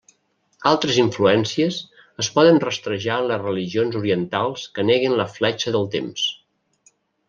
Altres influències es poden rastrejar en les religions orientals que neguen la fletxa del temps.